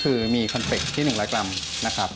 คือมีคอนเปคที่๑๐๐กรัมนะครับ